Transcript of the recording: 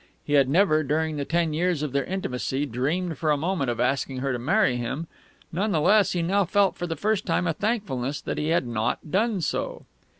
He had never, during the ten years of their intimacy, dreamed for a moment of asking her to marry him; none the less, he now felt for the first time a thankfulness that he had not done so....